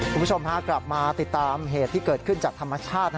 คุณผู้ชมพากลับมาติดตามเหตุที่เกิดขึ้นจากธรรมชาติ